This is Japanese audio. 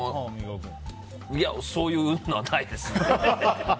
そういうのはないですね。